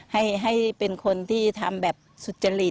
ให้เป็นคนที่ทำแบบสุจริต